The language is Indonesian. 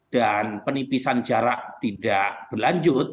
dan penipisan jarak tidak berlanjut